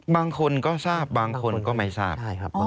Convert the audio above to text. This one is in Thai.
บางคนก็ทราบบางคนก็ไม่ทราบ